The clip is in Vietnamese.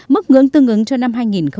mức ngưỡng tương ứng cho năm hai nghìn hai mươi